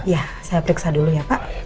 ya saya periksa dulu ya pak